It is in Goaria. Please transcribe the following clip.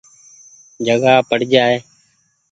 جگآ پڙ جآئي۔